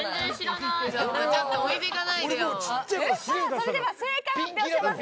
それでは正解を発表します。